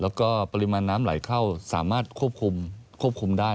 แล้วก็ปริมาณน้ำไหลเข้าสามารถควบคุมควบคุมได้